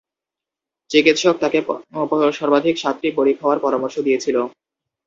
চিকিৎসক তাকে সর্বাধিক সাতটি বড়ি খাওয়ার পরামর্শ দিয়েছিল।